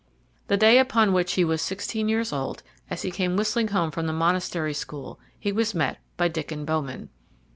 The day upon which he was sixteen years old, as he came whistling home from the monastery school he was met by Diccon Bowman.